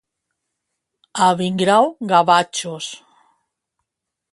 A Vingrau, gavatxos.